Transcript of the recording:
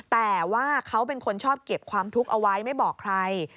แต่ว่าเขาเป็นคนชอบเก็บความทุกข์เอาไว้ไม่บอกใคร